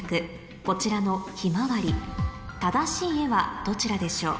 こちらの『ひまわり』正しい絵はどちらでしょう？